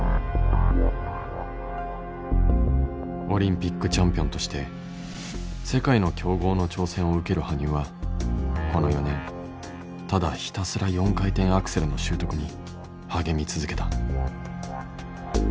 オリンピックチャンピオンとして世界の強豪の挑戦を受ける羽生はこの４年ただひたすら４回転アクセルの習得に励み続けた。